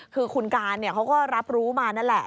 คือคุณการเขาก็รับรู้มานั่นแหละ